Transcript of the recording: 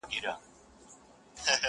حقیقت به درته وایم که چینه د ځوانۍ راکړي،